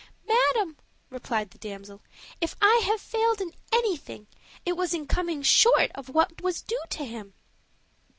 "Madam," replied the damsel, "if I have failed in anything, it was in coming short of what was due to him."